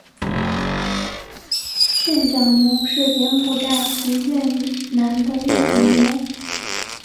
旋角牛是柬埔寨及越南的一种牛。